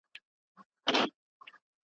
د پښتو ادب ځلانده ستوري زموږ لارښود دي.